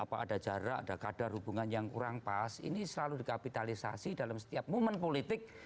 ada jarak ada kadar hubungan yang kurang pas ini selalu dikapitalisasi dalam setiap momen politik